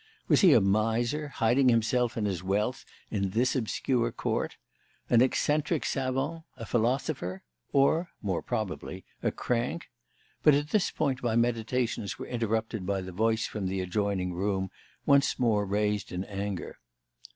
Was he a miser, hiding himself and his wealth in this obscure court? An eccentric savant? A philosopher? Or more probably a crank? But at this point my meditations were interrupted by the voice from the adjoining room, once more raised in anger.